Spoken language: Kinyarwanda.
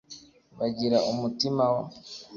bagira umutima w